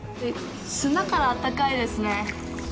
砂からあったかいですね。